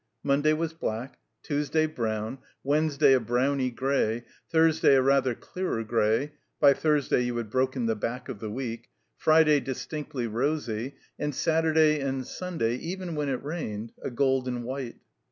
Monday was black, Tuesday brown, Wednesday a browny gray, Thursday a rather clearer gray (by Thursday you had broken the back of the week), Friday distinctly rosy, and Saturday and Sunday, even when it rained, a golden white.